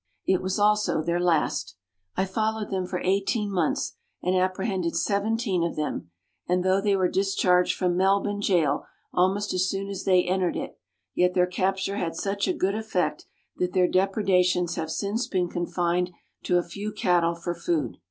It was also their last. I followed them for eighteen months, and apprehended seventeen of them, and, though they were discharged from Melbourne gaol almost as soon as they entered it, yet their capture had such a good effect that their depredations have since been confined to a few cattle for food.